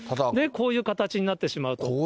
で、こういう形になってしまうと。